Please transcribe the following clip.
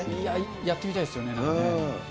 やってみたいですよね、なんかね。